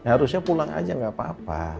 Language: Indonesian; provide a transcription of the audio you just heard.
harusnya pulang aja nggak apa apa